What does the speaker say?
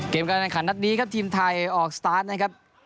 การแข่งขันนัดนี้ครับทีมไทยออกสตาร์ทนะครับ